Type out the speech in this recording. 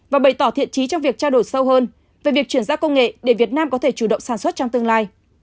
và bày tỏ thiện trí trong việc trao đổi sâu hơn về việc chuyển giao công nghệ để việt nam có thể chủ động sản xuất trong tương lai